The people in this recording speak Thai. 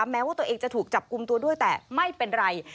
แม้ว่าตัวเองจะถูกจับกลุ่มตัวด้วยแต่ไม่เป็นไร